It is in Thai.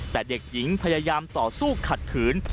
แต่เด็กหญิงพยายามต่อสู้ขัดขืน